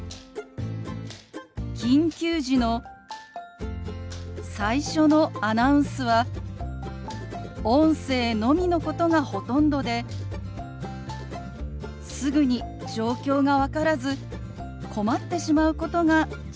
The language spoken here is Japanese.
緊急時の最初のアナウンスは音声のみのことがほとんどですぐに状況が分からず困ってしまうことが実は多いんです。